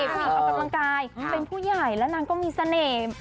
เพื่อนกำลังกายเป็นผู้ใหญ่และนางก็มีเสน่ห์